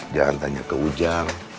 jangan tanya ke ujang